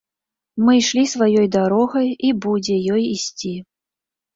Мы ішлі сваёй дарогай, і будзе ёй ісці.